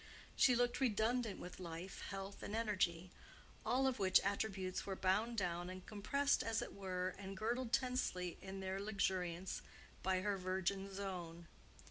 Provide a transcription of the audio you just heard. She looked redundant with life, health, and energy; all of which attributes were bound down and compressed, as it were and girdled tensely, in their luxuriance, by her virgin zone.